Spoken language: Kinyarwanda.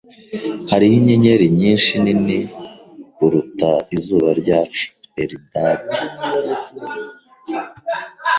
Hariho inyenyeri nyinshi nini kuruta izuba ryacu. (Eldad)